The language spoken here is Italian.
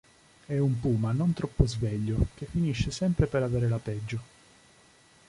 È un puma non troppo sveglio che finisce sempre per avere la peggio.